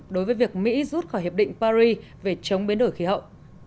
đối với việc mỹ rút khỏi hiệp định paris về chống biến đổi khí hậu